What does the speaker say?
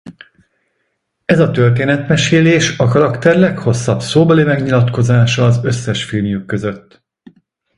Ez a történetmesélés a karakter leghosszabb szóbeli megnyilatkozása az összes filmjük között.